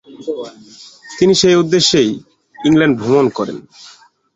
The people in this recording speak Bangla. তিনি সেই উদ্দেশ্যেই ইংল্যান্ড ভ্রমণ করেন।